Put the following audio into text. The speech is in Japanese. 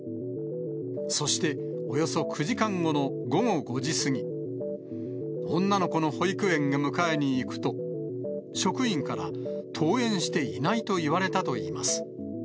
そして、およそ９時間後の午後５時過ぎ、女の子の保育園へ迎えに行くと、職員から、登園していないと言われたといいます。